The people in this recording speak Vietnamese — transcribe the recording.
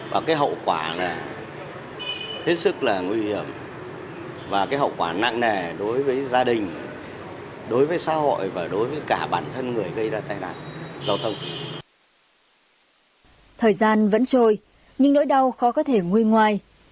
thời gian vẫn trôi nhưng nỗi đau khó có thể nguôi ngoài